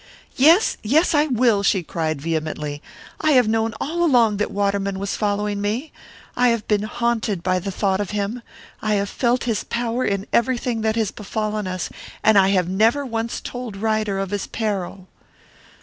"Yes, yes I will!" she cried, vehemently. "I have known all along that Waterman was following me. I have been haunted by the thought of him I have felt his power in everything that has befallen us. And I have never once told Ryder of his peril!"